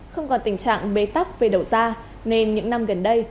không còn tình trạng bế tắc về đầu ra nên những năm gần đây